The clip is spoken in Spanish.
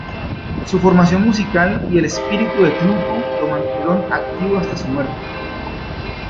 Su formación musical y el espíritu de triunfo lo mantuvieron activo hasta su muerte.